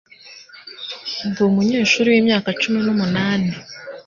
Ndi umunyeshuri wimyaka cumi n'umunani.